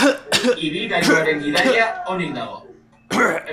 Ibilgailuaren gidaria onik dago.